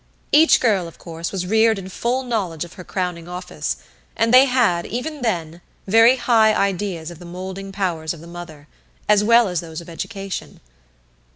Each girl, of course, was reared in full knowledge of her Crowning Office, and they had, even then, very high ideas of the molding powers of the mother, as well as those of education.